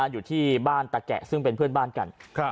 อยู่ที่บ้านตะแกะซึ่งเป็นเพื่อนบ้านกัน